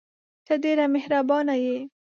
ته ډېره مهربانه یې !